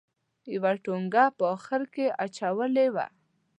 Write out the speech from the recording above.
یوه ټونګه په اخره کې اچولې وه.